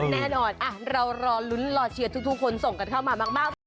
แน่นอนเรารอลุ้นรอเชียร์ทุกคนส่งกันเข้ามามากเลย